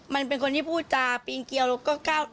มันเป็นคนที่พูดจาปีนเกียวแล้วก็ก้าว